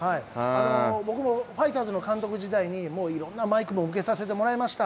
僕もファイターズの監督時代にもういろんなマイクも受けさせてもらいました。